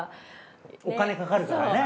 お金かかるからね。